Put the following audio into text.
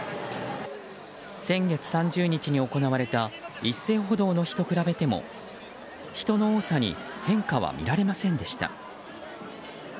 先月３０日に行われた一斉補導の日と比べても人の多さに変化は見られませんでした。